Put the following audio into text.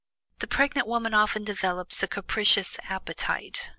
The pregnant woman often develops a capricious appetite.